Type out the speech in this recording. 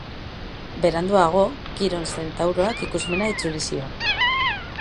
Beranduago, Kiron zentauroak ikusmena itzuli zion.